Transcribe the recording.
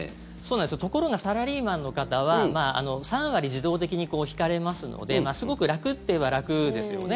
ところがサラリーマンの方は３割、自動的に引かれますのですごく楽っていえば楽ですよね。